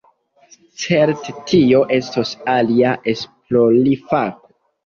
Certe tio estos alia esplorfako.